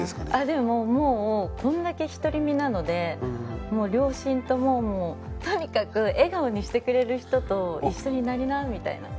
でももうこれだけ独り身なので両親ともとにかく笑顔にしてくれる人と一緒になりなみたいな。